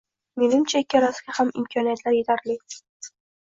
Menimcha, ikkalasiga ham imkoniyatlar etarli